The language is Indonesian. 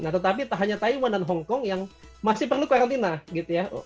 nah tetapi tak hanya taiwan dan hongkong yang masih perlu karantina gitu ya